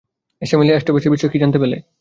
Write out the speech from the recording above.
Amelia, অ্যাসবেস্টসের বিষয়ে কী জানতে পেলে?